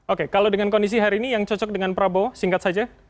oke kalau dengan kondisi hari ini yang cocok dengan prabowo singkat saja